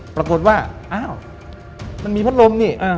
ปรากฏว่าอ้าวมันมีพัดลมนี่